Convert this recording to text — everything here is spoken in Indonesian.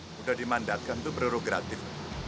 sudah dimandatkan itu beruruh gratis